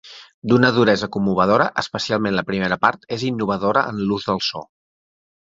D'una duresa commovedora, especialment la primera part, és innovadora en l'ús del so.